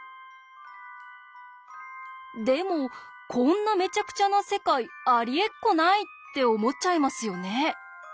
でも「こんなめちゃくちゃな世界ありえっこない！」って思っちゃいますよね？